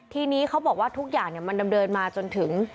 ทีนี้เขาบอกว่าทุกอย่างมันดำเนินมาจนถึง